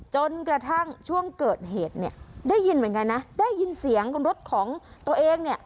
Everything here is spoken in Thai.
จนกระทั่งช่วงเกิดเหตุเนี่ยได้ยินเหมือนกันนะได้ยินเสียงรถของตัวเองเนี่ย